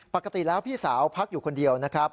ปกติแล้วพี่สาวพักอยู่คนเดียวนะครับ